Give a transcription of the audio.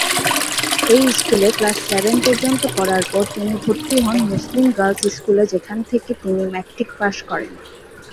এই স্কুলে class seven পর্যন্ত পড়ার পর তিনি ভর্তি হন মুসলিম গার্লস স্কুলে যেখান থেকে তিনি ম্যাট্রিক পাশ করেন।